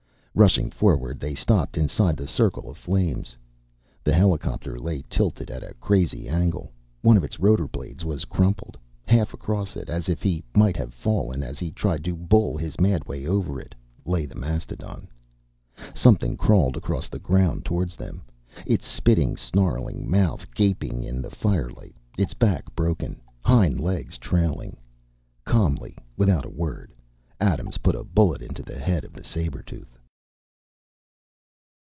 Rushing forward, they stopped inside the circle of the fires. The helicopter lay tilted at a crazy angle. One of its rotor blades was crumpled. Half across it, as if he might have fallen as he tried to bull his mad way over it, lay the mastodon. Something crawled across the ground toward them, its spitting, snarling mouth gaping in the firelight, its back broken, hind legs trailing. Calmly, without a word, Adams put a bullet into the head of the saber tooth.